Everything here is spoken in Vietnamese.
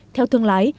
theo thương lái